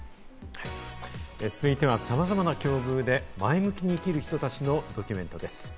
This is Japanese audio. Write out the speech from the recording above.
続いて、さまざまな境遇で前向きに生きる人たちのドキュメントです。